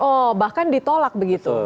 oh bahkan ditolak begitu